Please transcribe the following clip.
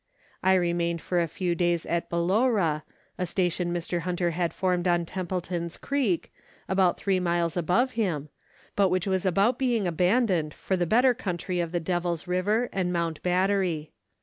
I remained for a few days at Ballowra, a station Mr. Hunter had formed on Templeton's Creek, about three miles above him, but 172 Letters from Victorian Pioneers. which was about being abandoned for the better country of the Devil's River and Mount Battery.